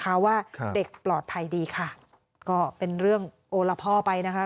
เพราะว่าเด็กปลอดภัยดีค่ะก็เป็นเรื่องโอละพ่อไปนะคะ